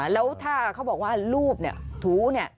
แล้วถ้าเขาบอกว่ารูปเนี่ยถูเนี่ย